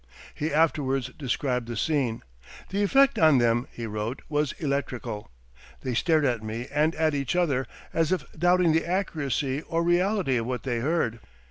He afterwards described the scene. "The effect on them," he wrote, "was electrical. They stared at me and at each other, as if doubting the accuracy or reality of what they heard.